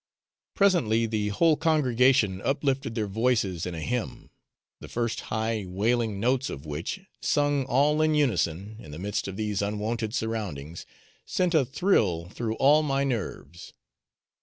Presently the whole congregation uplifted their voices in a hymn, the first high wailing notes of which sung all in unison, in the midst of these unwonted surroundings sent a thrill through all my nerves.